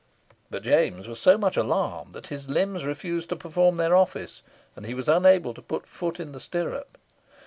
But James was so much alarmed that his limbs refused to perform their office, and he was unable to put foot in the stirrup.